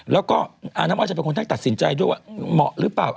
แล้วก็อาน้ำอ้อยจะเป็นคนทั้งตัดสินใจด้วยว่าเหมาะหรือเปล่า